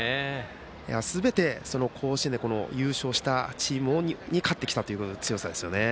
すべて、甲子園で優勝したチームに勝ってきたという強さですよね。